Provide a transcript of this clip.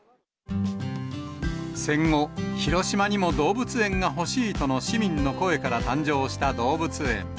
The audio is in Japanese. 戦後、広島にも動物園が欲しいとの市民の声から誕生した動物園。